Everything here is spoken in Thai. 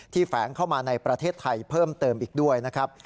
แฝงเข้ามาในประเทศไทยเพิ่มเติมอีกด้วยนะครับ